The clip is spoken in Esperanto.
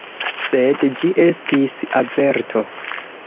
Sed ĝi estis averto.